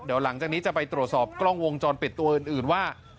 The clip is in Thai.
เดี๋ยวหลังจากนี้จะไปตรวจสอบกล้องวงจรปิดตัวอื่นว่า